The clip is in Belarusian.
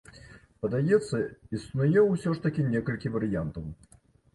Падаецца, існуе ўсё ж такі некалькі варыянтаў.